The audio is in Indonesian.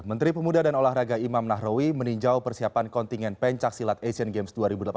menteri pemuda dan olahraga imam nahrawi meninjau persiapan kontingen pencaksilat asian games dua ribu delapan belas